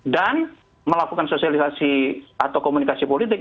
dan melakukan sosialisasi atau komunikasi politik